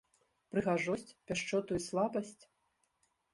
Прыгажосць, пяшчоту і слабасць?